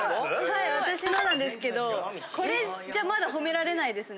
はい私のなんですけどこれじゃまだ褒められないですね。